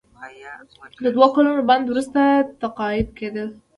د دوه کلونو بند وروسته تقاعد کیدل.